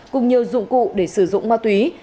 cùng nhiều dụng cụ để sử dụng ma túy